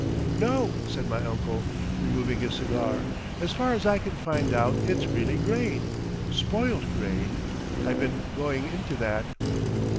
"No!" said my uncle, removing his cigar; "as far as I can find out it's really grain,—spoilt grain.... I've been going into that."